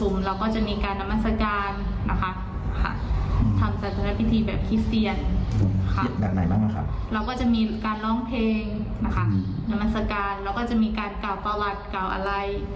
เราก็จะมีการร้องเพลงนะคะนามัศกาลเราก็จะมีการกล่าวประวัติกล่าวอะไร